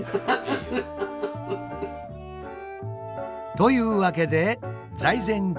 というわけで「財前じ